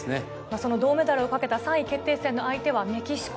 その銅メダルをかけた３位決定戦の相手はメキシコ。